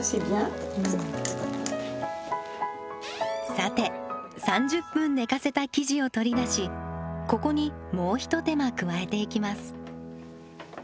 さて３０分寝かせた生地を取り出しここにもう一手間加えていきます。